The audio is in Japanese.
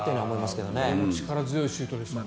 これも力強いシュートでした。